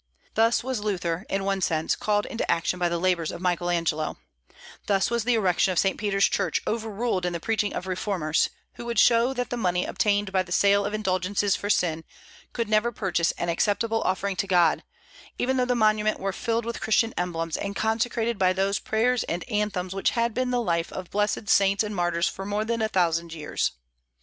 Thus was Luther, in one sense, called into action by the labors of Michael Angelo; thus was the erection of St. Peter's Church overruled in the preaching of reformers, who would show that the money obtained by the sale of indulgences for sin could never purchase an acceptable offering to God, even though the monument were filled with Christian emblems, and consecrated by those prayers and anthems which had been the life of blessed saints and martyrs for more than a thousand years.